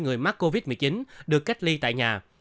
hai mươi người mắc covid một mươi chín được cách ly tại nhà